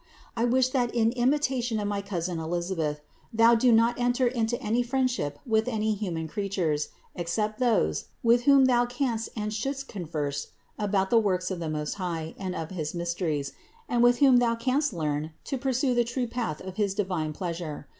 I wish that in imitation of my cousin Elisabeth, thou do not enter into any friendship with any human creatures, except those, with whom thou canst and shouldst converse about the works of the Most High and of his mysteries, and with whom thou canst learn to pursue the true path of his divine pleasure.